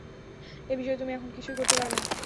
এ বিষয়ে তুমি এখন কিছুই করতে পারবে না।